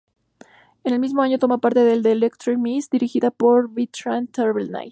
Ese mismo año toma parte en "The Electric Mist", dirigida por Bertrand Tavernier.